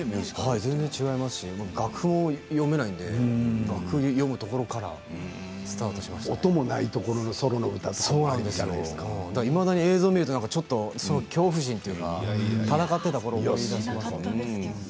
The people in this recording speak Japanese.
全然違いますし楽譜も読めないので楽譜を読むところから音がないところでソロの歌いまだに映像を見ると恐怖心というか闘っていたころを思い出しますね。